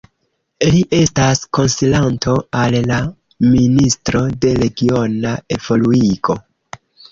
Li estas konsilanto al la Ministro de Regiona Evoluigo.